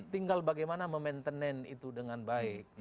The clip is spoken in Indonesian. tinggal bagaimana memainten itu dengan baik